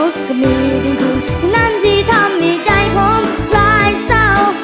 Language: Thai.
แต่มีคุณเท่านั้นที่ทำให้ใจผมร้ายเศร้า